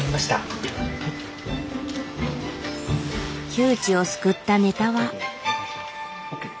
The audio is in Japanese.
窮地を救ったネタは。